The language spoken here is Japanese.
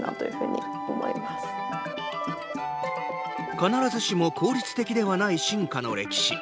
必ずしも効率的ではない進化の歴史。